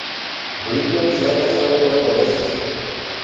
Brinkley se ha casado cuatro veces.